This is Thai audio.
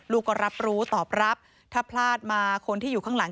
ลูกก็รับรู้ตอบรับถ้าพลาดมาคนที่อยู่ข้างหลัง